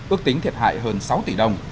ước tính thiệt hại hơn sáu tỷ đồng